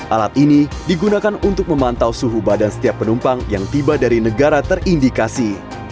alat ini digunakan untuk memantau suhu badan setiap penumpang yang tiba dari negara terindikasi